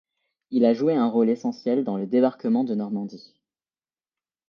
Il a joué un rôle essentiel dans le débarquement de Normandie.